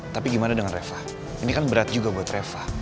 tapi gimana dengan reva ini kan berat juga buat reva